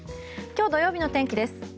今日土曜日の天気です。